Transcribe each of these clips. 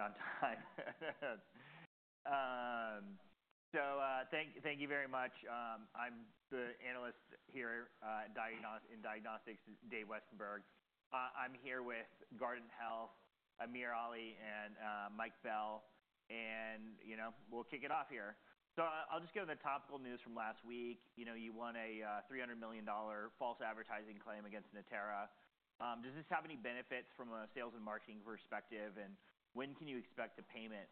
On time. So, thank you very much. I'm the analyst here, in Diagnostics, Dave Westenberg. I'm here with Guardant Health, AmirAli, and Mike Bell, and, you know, we'll kick it off here. So, I'll just go to the topical news from last week. You know, you won a $300 million false advertising claim against Natera. Does this have any benefits from a sales and marketing perspective, and when can you expect a payment,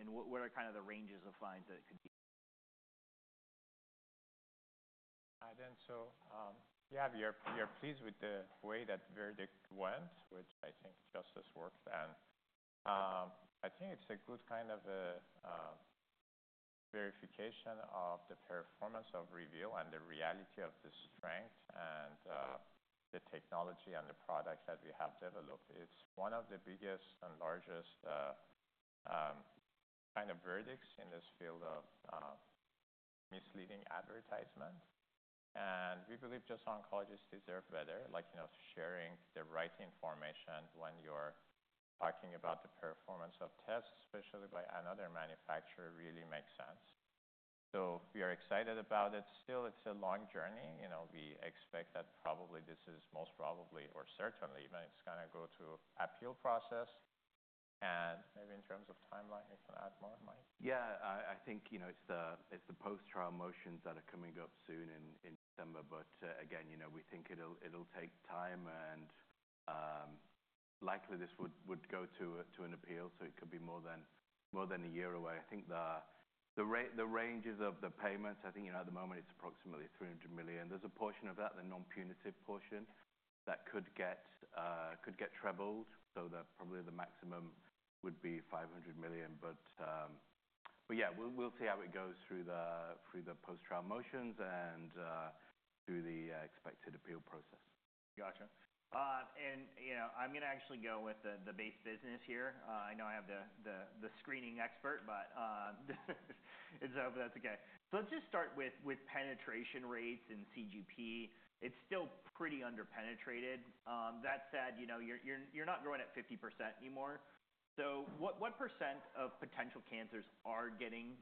and what are kind of the ranges of fines that it could be? Yeah, we are pleased with the way that verdict went, which I think justice worked. And I think it's a good kind of a verification of the performance of Reveal and the reality of the strength and the technology and the product that we have developed. It's one of the biggest and largest kind of verdicts in this field of misleading advertisement. And we believe oncologists deserve better, like you know, sharing the right information when you're talking about the performance of tests, especially by another manufacturer, really makes sense. So we are excited about it. Still, it's a long journey. You know, we expect that probably this is most probably or certainly, but it's gonna go to appeal process. And maybe in terms of timeline, you can add more, Mike? Yeah, I think, you know, it's the post-trial motions that are coming up soon in December, but again, you know, we think it'll take time, and likely this would go to an appeal, so it could be more than a year away. I think the ranges of the payments, I think, you know, at the moment it's approximately $300 million. There's a portion of that, the non-punitive portion, that could get trebled, so probably the maximum would be $500 million, but yeah, we'll see how it goes through the post-trial motions and through the expected appeal process. Gotcha, and, you know, I'm gonna actually go with the base business here. I know I have the screening expert, but it's okay. So let's just start with penetration rates and CGP. It's still pretty underpenetrated. That said, you know, you're not growing at 50% anymore. So what percent of potential cancers are getting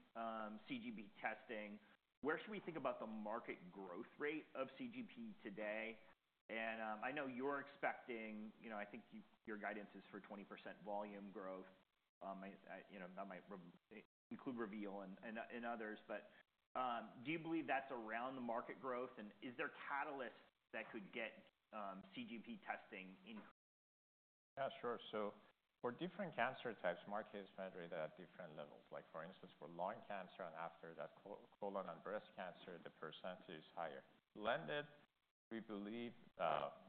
CGP testing? Where should we think about the market growth rate of CGP today? And, I know you're expecting, you know, I think your guidance is for 20% volume growth. I, you know, that might include Reveal and others. But, do you believe that's around the market growth, and is there catalysts that could get CGP testing increased? Yeah, sure. So for different cancer types, market is measured at different levels. Like, for instance, for lung cancer and after that, colon and breast cancer, the percentage is higher. Blended, we believe,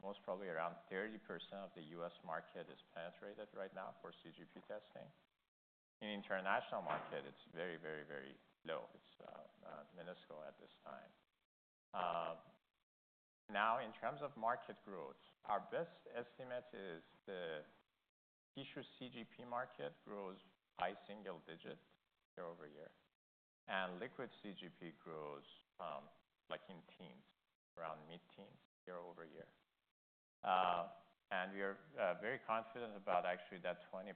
most probably around 30% of the U.S. market is penetrated right now for CGP testing. In international market, it's very, very, very low. It's minuscule at this time. Now in terms of market growth, our best estimate is the tissue CGP market grows by single digit year over year. And liquid CGP grows, like in teens, around mid-teens, year over year. And we are very confident about actually that 20%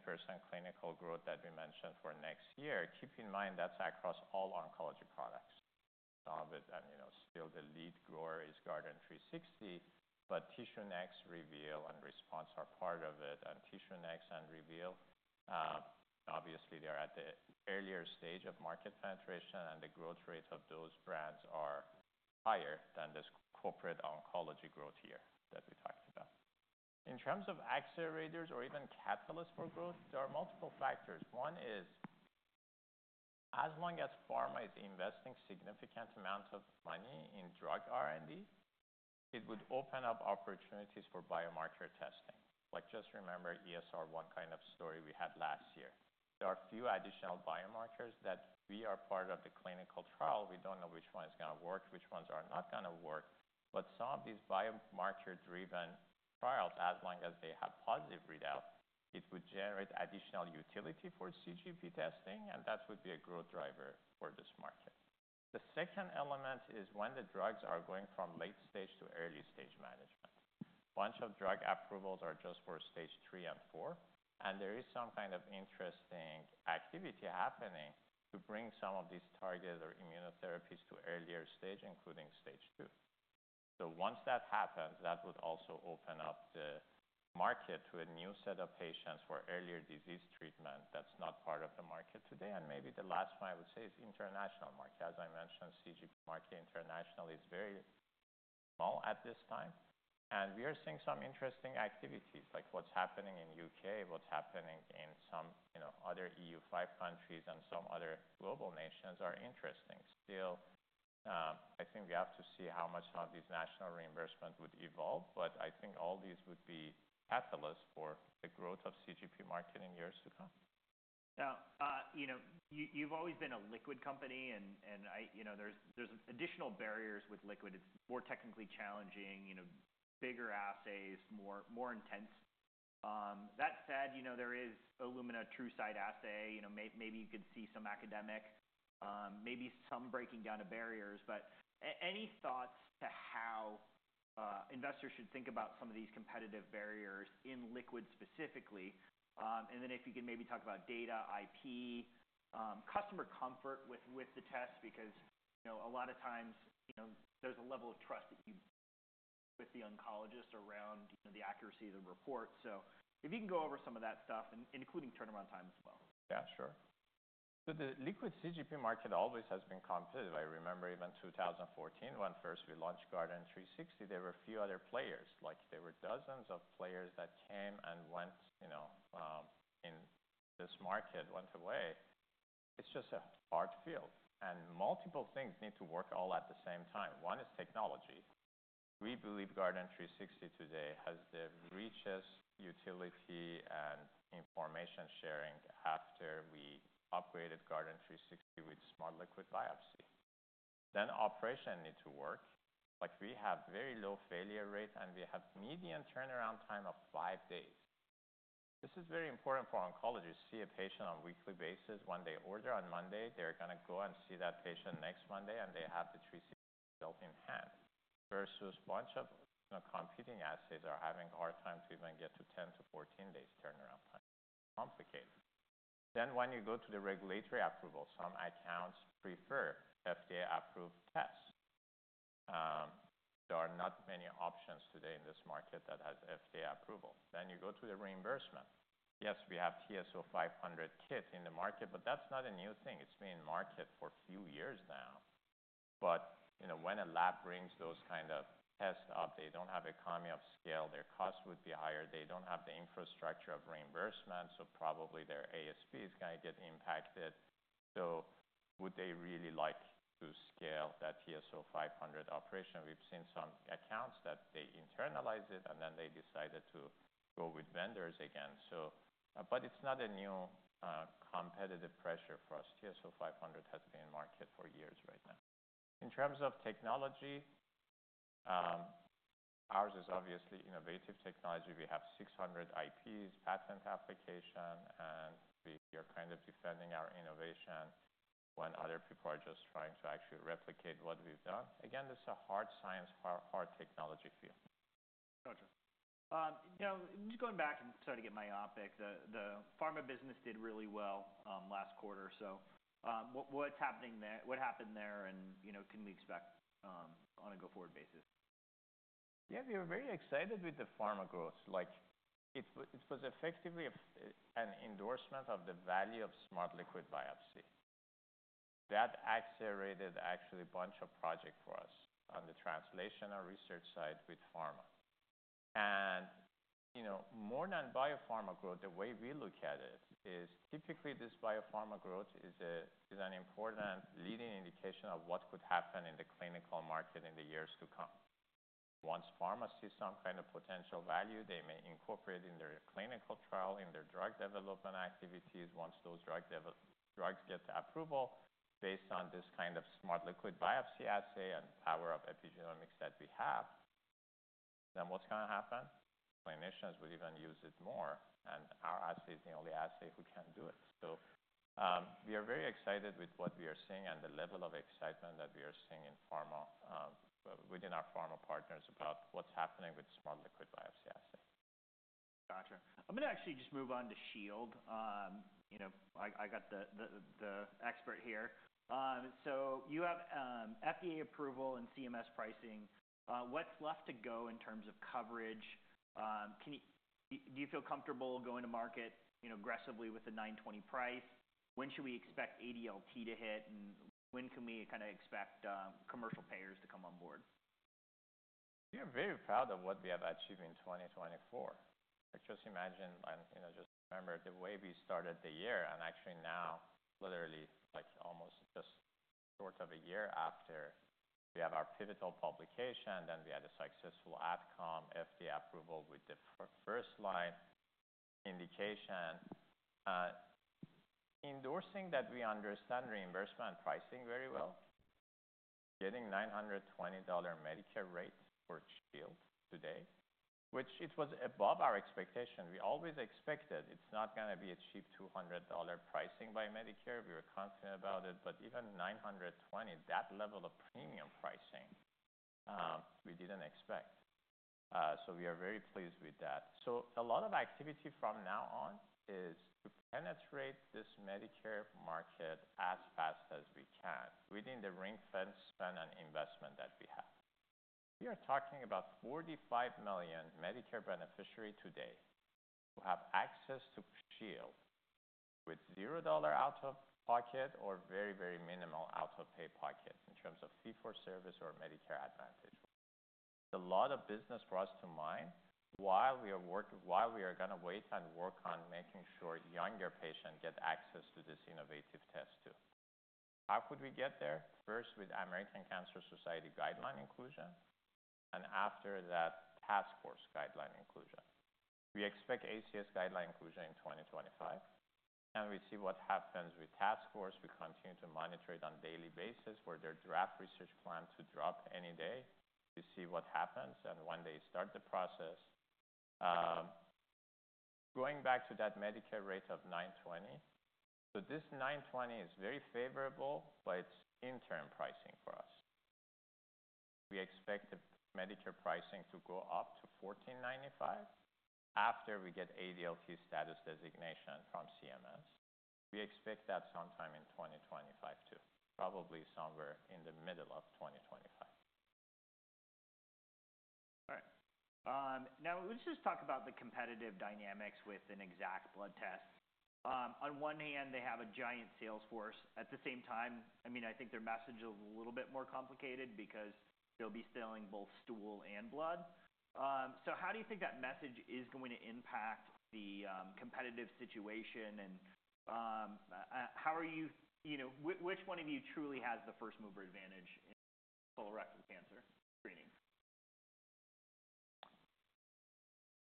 clinical growth that we mentioned for next year. Keep in mind that's across all oncology products. Some of it, and, you know, still the lead grower is Guardant360, but TissueNext, Reveal, and Response are part of it. TissueNext and Reveal, obviously they're at the earlier stage of market penetration, and the growth rate of those brands are higher than this corporate oncology growth here that we talked about. In terms of accelerators or even catalysts for growth, there are multiple factors. One is, as long as pharma is investing significant amounts of money in drug R&D, it would open up opportunities for biomarker testing. Like, just remember ESR1 kind of story we had last year. There are a few additional biomarkers that we are part of the clinical trial. We don't know which one is gonna work, which ones are not gonna work. But some of these biomarker-driven trials, as long as they have positive readout, it would generate additional utility for CGP testing, and that would be a growth driver for this market. The second element is when the drugs are going from late stage to early stage management. Bunch of drug approvals are just for stage three and four, and there is some kind of interesting activity happening to bring some of these targeted immunotherapies to earlier stage, including stage two, so once that happens, that would also open up the market to a new set of patients for earlier disease treatment that's not part of the market today, and maybe the last one I would say is international market. As I mentioned, CGP market internationally is very small at this time, and we are seeing some interesting activities, like what's happening in the U.K., what's happening in some, you know, other EU5 countries, and some other global nations are interesting. Still, I think we have to see how much of these national reimbursements would evolve, but I think all these would be catalysts for the growth of CGP market in years to come. Now, you know, you've always been a liquid company, and, and I, you know, there's additional barriers with liquid. It's more technically challenging, you know, bigger assays, more intense. That said, you know, there is Illumina TruSight assay, you know, maybe you could see some academic, maybe some breaking down of barriers. But any thoughts to how investors should think about some of these competitive barriers in liquid specifically? And then if you can maybe talk about data, IP, customer comfort with the test because, you know, a lot of times, you know, there's a level of trust that you with the oncologist around, you know, the accuracy of the report. So if you can go over some of that stuff, and including turnaround time as well. Yeah, sure. So the liquid CGP market always has been competitive. I remember even 2014, when first we launched Guardant360, there were a few other players. Like, there were dozens of players that came and went, you know, in this market went away. It's just a hard field, and multiple things need to work all at the same time. One is technology. We believe Guardant360 today has the richest utility and information sharing after we upgraded Guardant360 with Smart Liquid Biopsy. Then operation need to work. Like, we have very low failure rate, and we have median turnaround time of five days. This is very important for oncologists to see a patient on a weekly basis. When they order on Monday, they're gonna go and see that patient next Monday, and they have the 360 result in hand versus a bunch of, you know, competing assays that are having a hard time to even get to 10-14 days turnaround time. Complicated, then when you go to the regulatory approval, some accounts prefer FDA-approved tests. There are not many options today in this market that has FDA approval, then you go to the reimbursement. Yes, we have TSO500 kit in the market, but that's not a new thing. It's been in market for a few years now. But, you know, when a lab brings those kind of tests up, they don't have economies of scale, their cost would be higher, they don't have the infrastructure of reimbursement, so probably their ASP is gonna get impacted. So would they really like to scale that TSO500 operation? We've seen some accounts that they internalize it, and then they decided to go with vendors again. So, but it's not a new, competitive pressure for us. TSO500 has been in market for years right now. In terms of technology, ours is obviously innovative technology. We have 600 IPs, patent application, and we are kind of defending our innovation when other people are just trying to actually replicate what we've done. Again, this is a hard science, hard technology field. Gotcha. You know, just going back and sorry to get my optics, the pharma business did really well last quarter. So, what's happening there? What happened there, and you know, can we expect on a go-forward basis? Yeah, we were very excited with the pharma growth. Like, it was effectively an endorsement of the value of Smart Liquid Biopsy. That accelerated actually a bunch of projects for us on the translational research side with pharma. And, you know, more than biopharma growth, the way we look at it is typically this biopharma growth is a, is an important leading indication of what could happen in the clinical market in the years to come. Once pharma sees some kind of potential value, they may incorporate it in their clinical trial, in their drug development activities. Once those drugs get approval based on this kind of Smart Liquid Biopsy assay and power of epigenomics that we have, then what's gonna happen? Clinicians will even use it more, and our assay is the only assay who can do it. We are very excited with what we are seeing and the level of excitement that we are seeing in pharma, within our pharma partners about what's happening with Smart Liquid Biopsy assay. Gotcha. I'm gonna actually just move on to Shield. You know, I got the expert here. So you have FDA approval and CMS pricing. What's left to go in terms of coverage? Can you, do you feel comfortable going to market, you know, aggressively with a $920 price? When should we expect ADLT to hit, and when can we kinda expect commercial payers to come on board? We are very proud of what we have achieved in 2024. Like, just imagine, and, you know, just remember the way we started the year, and actually now, literally, like, almost just short of a year after we have our pivotal publication, then we had a successful AdCom FDA approval with the first line indication. Endorsing that we understand reimbursement pricing very well, getting $920 Medicare rate for Shield today, which it was above our expectation. We always expected it's not gonna be a cheap $200 pricing by Medicare. We were confident about it. But even 920, that level of premium pricing, we didn't expect. So we are very pleased with that. So a lot of activity from now on is to penetrate this Medicare market as fast as we can within the ring fence spend and investment that we have. We are talking about 45 million Medicare beneficiaries today who have access to Shield with $0 out of pocket or very, very minimal out-of-pocket in terms of fee-for-service or Medicare Advantage. A lot of business brought to mind while we are gonna wait and work on making sure younger patients get access to this innovative test too. How could we get there? First, with American Cancer Society guideline inclusion, and after that, Task Force guideline inclusion. We expect ACS guideline inclusion in 2025, and we see what happens with Task Force. We continue to monitor it on a daily basis for their draft research plan to drop any day to see what happens and when they start the process. Going back to that Medicare rate of $920, so this $920 is very favorable, but it's interim pricing for us. We expect the Medicare pricing to go up to $1,495 after we get ADLT status designation from CMS. We expect that sometime in 2025 too, probably somewhere in the middle of 2025. All right. Now let's just talk about the competitive dynamics with an Exact blood test. On one hand, they have a giant sales force. At the same time, I mean, I think their message is a little bit more complicated because they'll be selling both stool and blood. So how do you think that message is going to impact the competitive situation and how are you, you know, which one of you truly has the first mover advantage in colorectal cancer screening?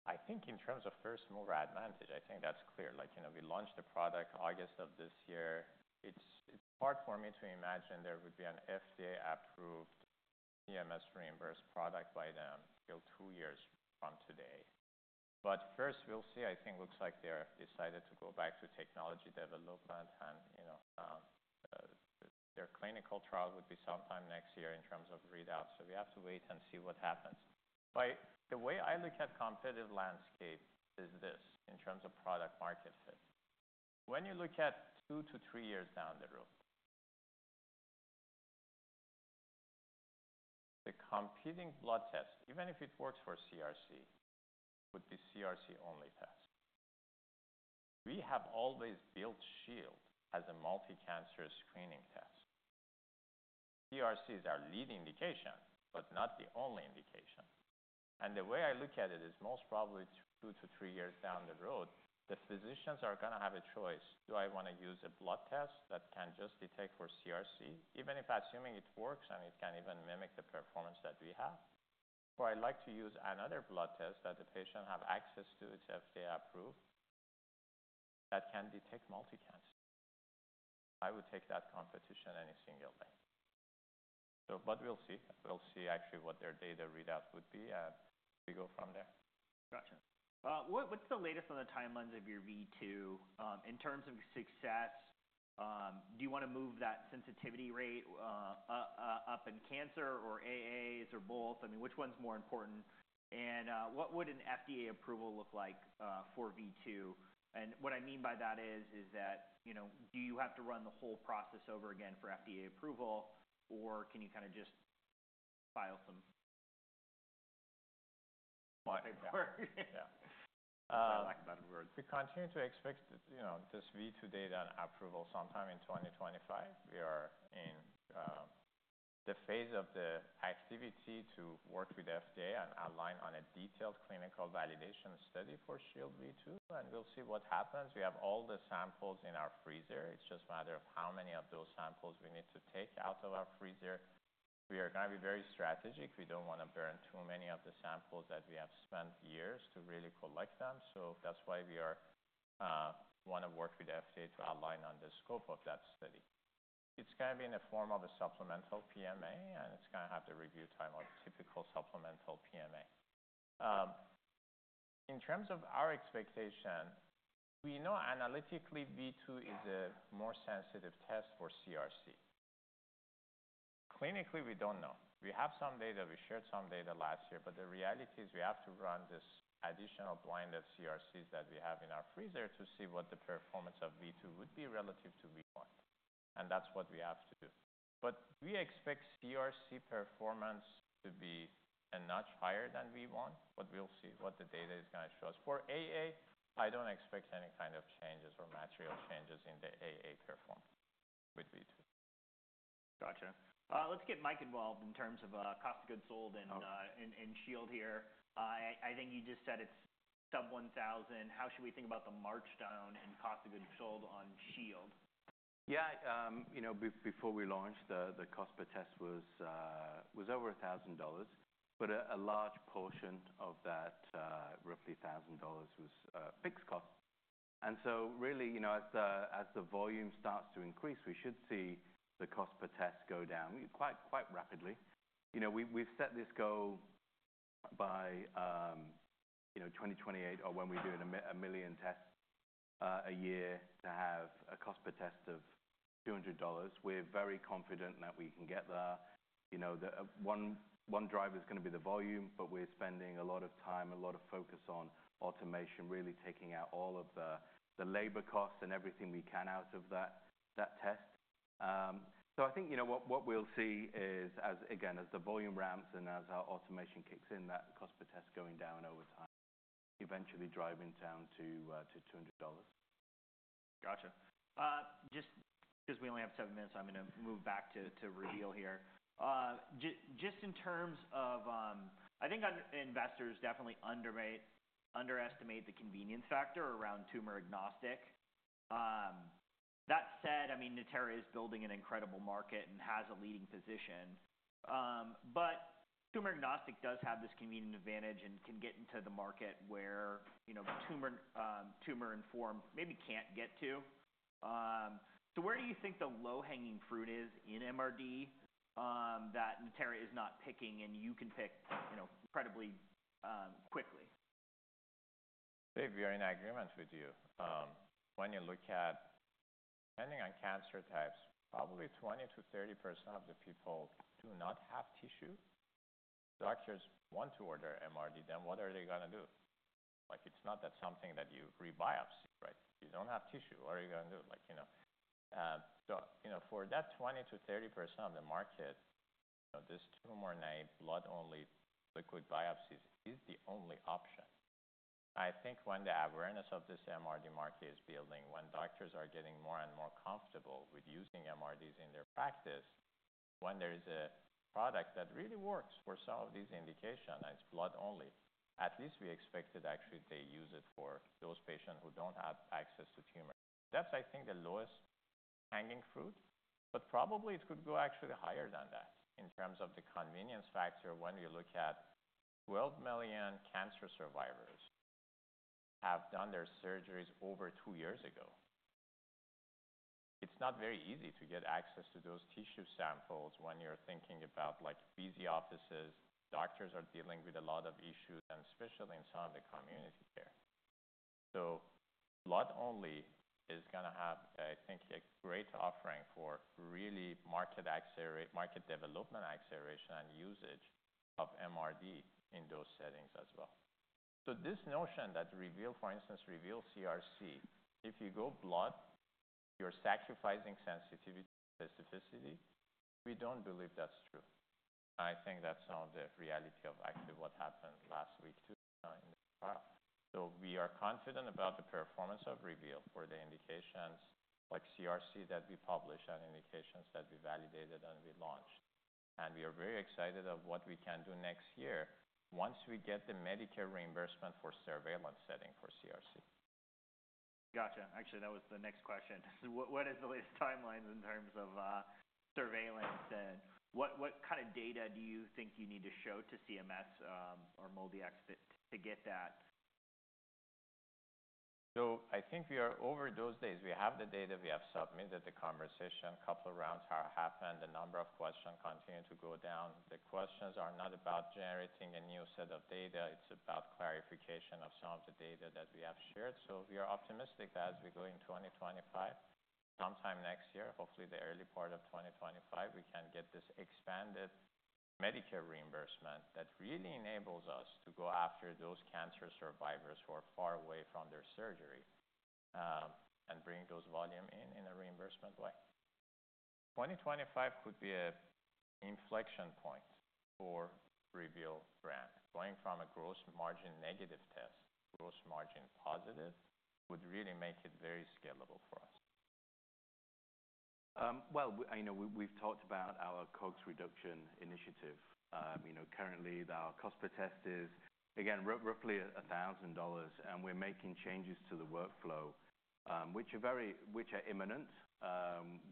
I think in terms of first mover advantage, I think that's clear. Like, you know, we launched the product August of this year. It's hard for me to imagine there would be an FDA-approved CMS reimbursed product by them till two years from today. But first, we'll see. I think it looks like they've decided to go back to technology development and, you know, their clinical trial would be sometime next year in terms of readouts. So we have to wait and see what happens. But the way I look at the competitive landscape is this in terms of product-market fit. When you look at two to three years down the road, the competing blood test, even if it works for CRC, would be a CRC-only test. We have always built Shield as a multicancer screening test. CRCs are a lead indication, but not the only indication. The way I look at it is most probably two-to-three years down the road, the physicians are gonna have a choice. Do I wanna use a blood test that can just detect for CRC, even if assuming it works and it can even mimic the performance that we have? Or I'd like to use another blood test that the patient has access to, it's FDA-approved, that can detect multicancer. I would take that competition any single day. But we'll see. We'll see actually what their data readout would be, and we go from there. Gotcha. What's the latest on the timelines of your V2, in terms of success? Do you wanna move that sensitivity rate up in cancer or AAs or both? I mean, which one's more important? And what would an FDA approval look like for V2? And what I mean by that is, you know, do you have to run the whole process over again for FDA approval, or can you kinda just file some? What? Yeah. I like that word. We continue to expect, you know, this V2 data and approval sometime in 2025. We are in, the phase of the activity to work with FDA and align on a detailed clinical validation study for Shield V2, and we'll see what happens. We have all the samples in our freezer. It's just a matter of how many of those samples we need to take out of our freezer. We are gonna be very strategic. We don't wanna burn too many of the samples that we have spent years to really collect them. So that's why we are, wanna work with FDA to align on the scope of that study. It's gonna be in the form of a supplemental PMA, and it's gonna have the review time of typical supplemental PMA. In terms of our expectation, we know analytically V2 is a more sensitive test for CRC. Clinically, we don't know. We have some data. We shared some data last year. But the reality is we have to run this additional blind of CRCs that we have in our freezer to see what the performance of V2 would be relative to V1. And that's what we have to do. But we expect CRC performance to be a notch higher than V1, but we'll see what the data is gonna show us. For AA, I don't expect any kind of changes or material changes in the AA performance with V2. Gotcha. Let's get Mike involved in terms of cost of goods sold and, Okay. And Shield here. I think you just said it's sub 1,000. How should we think about the marchdown in cost of goods sold on Shield? Yeah. You know, before we launched, the cost per test was over $1,000, but a large portion of that, roughly $1,000, was fixed cost. And so really, you know, as the volume starts to increase, we should see the cost per test go down quite rapidly. You know, we've set this goal by 2028 or when we do a million tests a year to have a cost per test of $200. We're very confident that we can get there. You know, one driver's gonna be the volume, but we're spending a lot of time, a lot of focus on automation, really taking out all of the labor costs and everything we can out of that test. So I think, you know, what we'll see is, as again, as the volume ramps and as our automation kicks in, that cost per test going down over time, eventually driving down to $200. Gotcha. Just 'cause we only have seven minutes, I'm gonna move back to Reveal here. Just in terms of, I think, investors definitely underestimate the convenience factor around tumor-agnostic. That said, I mean, Natera is building an incredible market and has a leading position. But tumor-agnostic does have this convenient advantage and can get into the market where, you know, tumor-informed maybe can't get to. So where do you think the low-hanging fruit is in MRD, that Natera is not picking and you can pick, you know, incredibly quickly? We're very in agreement with you. When you look at, depending on cancer types, probably 20%-30% of the people do not have tissue. Doctors want to order MRD, then what are they gonna do? Like, it's not that something that you re-biopsy, right? You don't have tissue. What are you gonna do? Like, you know, so, you know, for that 20%-30% of the market, you know, this tumor-naive, blood-only liquid biopsies is the only option. I think when the awareness of this MRD market is building, when doctors are getting more and more comfortable with using MRDs in their practice, when there is a product that really works for some of these indications and it's blood-only, at least we expect it. Actually, they use it for those patients who don't have access to tumor. That's, I think, the lowest hanging fruit, but probably it could go actually higher than that in terms of the convenience factor when you look at 12 million cancer survivors have done their surgeries over two years ago. It's not very easy to get access to those tissue samples when you're thinking about, like, busy offices. Doctors are dealing with a lot of issues, and especially in some of the community care. So blood-only is gonna have, I think, a great offering for really market accelerate, market development acceleration and usage of MRD in those settings as well. So this notion that Reveal, for instance, Reveal CRC, if you go blood, you're sacrificing sensitivity specificity. We don't believe that's true. I think that's some of the reality of actually what happened last week too, in the crowd. We are confident about the performance of Reveal for the indications like CRC that we published and indications that we validated and we launched. We are very excited of what we can do next year once we get the Medicare reimbursement for surveillance setting for CRC. Gotcha. Actually, that was the next question. What is the latest timelines in terms of surveillance and what kinda data do you think you need to show to CMS or MolDX to get that? So I think we are over those days. We have the data. We have submitted the conversation. A couple of rounds have happened. The number of questions continue to go down. The questions are not about generating a new set of data. It's about clarification of some of the data that we have shared. So we are optimistic that as we go in 2025, sometime next year, hopefully the early part of 2025, we can get this expanded Medicare reimbursement that really enables us to go after those cancer survivors who are far away from their surgery, and bring those volume in, in a reimbursement way. 2025 could be an inflection point for Reveal brand. Going from a gross margin negative test, gross margin positive would really make it very scalable for us. I know we've talked about our cost reduction initiative. You know, currently the cost per test is, again, roughly $1,000, and we're making changes to the workflow, which are imminent,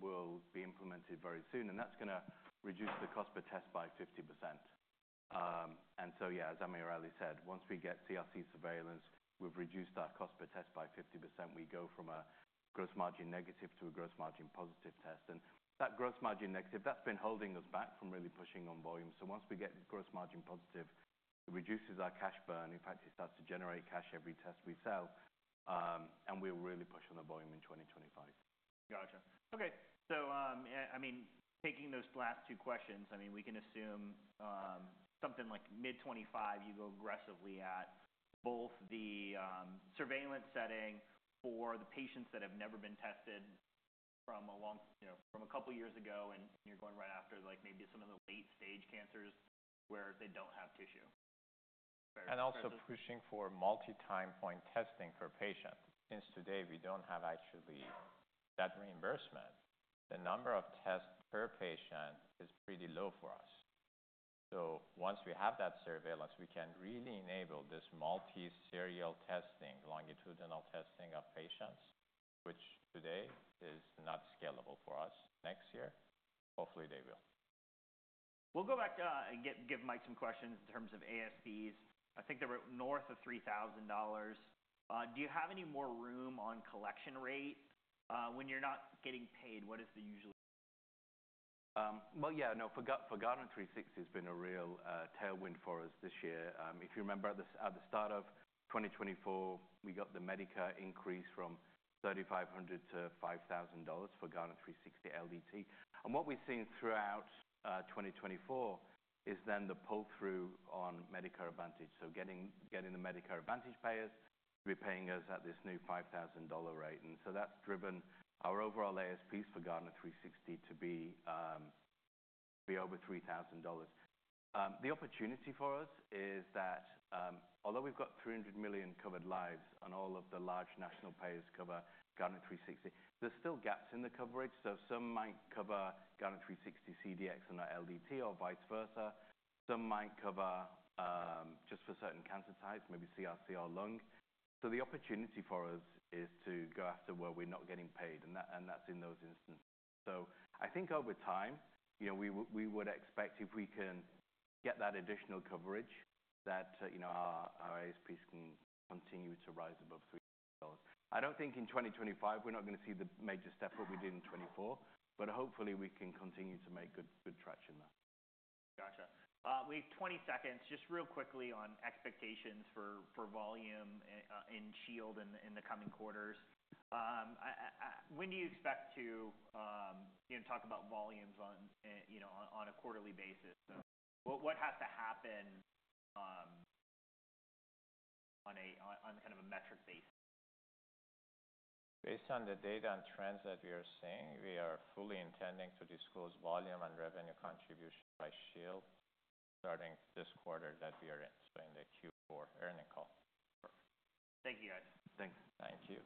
will be implemented very soon, and that's gonna reduce the cost per test by 50%. So, yeah, as AmirAli said, once we get CRC surveillance, we've reduced our cost per test by 50%. We go from a gross margin negative to a gross margin positive test. That gross margin negative, that's been holding us back from really pushing on volume. Once we get gross margin positive, it reduces our cash burn. In fact, it starts to generate cash every test we sell, and we'll really push on the volume in 2025. Gotcha. Okay. So, I mean, taking those last two questions, I mean, we can assume something like mid-25, you go aggressively at both the surveillance setting for the patients that have never been tested from a long, you know, from a couple years ago, and you're going right after, like, maybe some of the late-stage cancers where they don't have tissue. And also pushing for multi-time point testing per patient. Since today, we don't have actually that reimbursement, the number of tests per patient is pretty low for us. So once we have that surveillance, we can really enable this multiserial testing, longitudinal testing of patients, which today is not scalable for us. Next year, hopefully they will. We'll go back and give Mike some questions in terms of ASPs. I think they were north of $3,000. Do you have any more room on collection rate? When you're not getting paid, what is the usual? Guardant360 has been a real tailwind for us this year. If you remember at the start of 2024, we got the Medicare increase from $3,500 to $5,000 for Guardant360 LDT. What we've seen throughout 2024 is the pull-through on Medicare Advantage. So getting the Medicare Advantage payers repaying us at this new $5,000 rate. And so that's driven our overall ASPs for Guardant360 to be over $3,000. The opportunity for us is that, although we've got 300 million covered lives on all of the large national payers cover Guardant360, there's still gaps in the coverage. So some might cover Guardant360 CDx and LDT or vice versa. Some might cover just for certain cancer types, maybe CRC or lung. So the opportunity for us is to go after where we're not getting paid, and that's in those instances. So I think over time, you know, we would expect if we can get that additional coverage that, you know, our ASPs can continue to rise above $3,000. I don't think in 2025 we're not gonna see the major step what we did in 2024, but hopefully we can continue to make good, good traction there. Gotcha. We have 20 seconds. Just real quickly on expectations for volume in Shield in the coming quarters. When do you expect to, you know, talk about volumes on, you know, on a quarterly basis? What has to happen, on a kind of a metric basis? Based on the data and trends that we are seeing, we are fully intending to disclose volume and revenue contribution by Shield starting this quarter that we are in, so in the Q4 earnings call. Thank you, guys. Thanks. Thank you.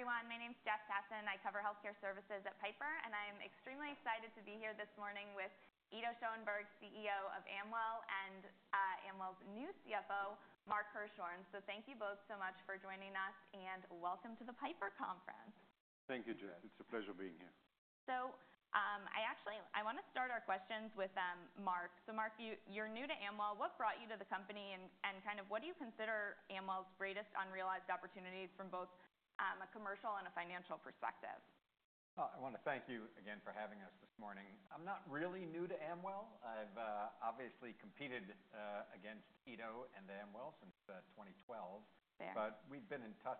Hi everyone. My name's Jessica Tassan. I cover healthcare services at Piper Sandler, and I'm extremely excited to be here this morning with Ido Schoenberg, CEO of Amwell, and Amwell's new CFO, Mark Hirschhorn. So thank you both so much for joining us, and welcome to the Piper Sandler Conference. Thank you, Jess. It's a pleasure being here. I actually want to start our questions with Mark. Mark, you're new to Amwell. What brought you to the company and kind of what do you consider Amwell's greatest unrealized opportunities from both a commercial and a financial perspective? I wanna thank you again for having us this morning. I'm not really new to Amwell. I've obviously competed against Ido and Amwell since 2012. Fair. But we've been in touch.